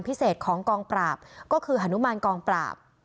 พิเศษของกองปราบก็คือฮานุมานกองปราบ